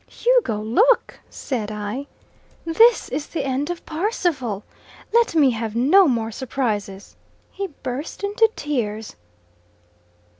'Hugo, look,' said I. 'This is the end of Parsival. Let me have no more surprises.' He burst into tears."